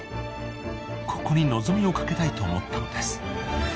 ［ここに望みをかけたいと思ったのです］